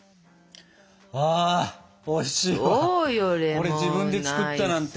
これ自分で作ったなんて！